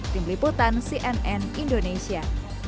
tim liputan cnn indonesia